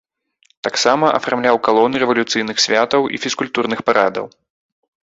Таксама афармляў калоны рэвалюцыйных святаў і фізкультурных парадаў.